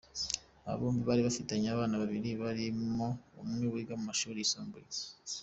Aba bombi bari bafitanye abana babiri barimo umwe wiga mu mashuri yisumbuye.